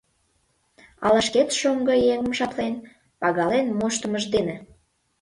Ала шкет шоҥго еҥым жаплен, пагален моштымыж дене?